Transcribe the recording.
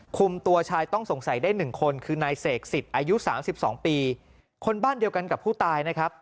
คุมตัวชายต้องสงสัยได้๑คนคือนายเสยร์ศิษฐ์อายุ๓๒ปีคนบ้านเดียวกันกับผู้ตายนะครับ